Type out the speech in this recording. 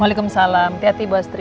waalaikumsalam hati hati bu astri